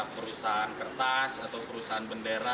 perusahaan kertas atau perusahaan bendera